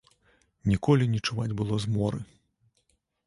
Ніколі не чуваць было зморы.